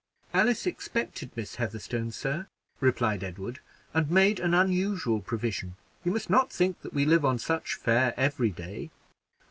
"Alice expected Miss Heatherstone, sir," replied Edward, "and made an unusual provision. You must not think that we live on such fare every day."